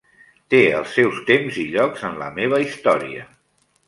Té els seus temps i llocs en la meva història.